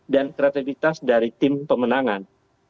dan kreativitas dari tim pemenangan